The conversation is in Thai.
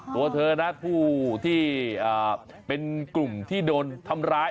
ตัวเธอนะผู้ที่เป็นกลุ่มที่โดนทำร้าย